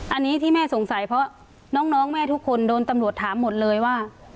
อันนี้ที่แม่สงสัยเพราะน้องแม่ทุกคนโดนตำรวจถามหมดเลยว่า